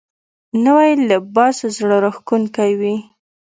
نوی لباس زړه راښکونکی وي